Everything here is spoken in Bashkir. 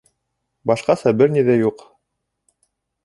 Башҡаса бер ни ҙә юҡ.